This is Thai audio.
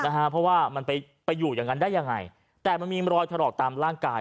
เพราะว่ามันไปไปอยู่อย่างนั้นได้ยังไงแต่มันมีรอยถลอกตามร่างกาย